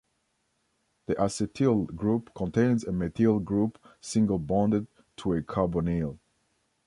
The acetyl group contains a methyl group single-bonded to a carbonyl.